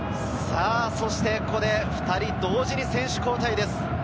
ここで２人同時に選手交代です。